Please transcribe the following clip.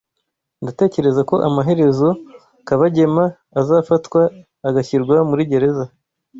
Ndatekereza ko amaherezo Kabagema azafatwa agashyirwa muri gereza.